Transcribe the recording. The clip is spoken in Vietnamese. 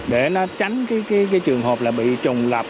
để nó tránh cái trường hợp là bị trùng lập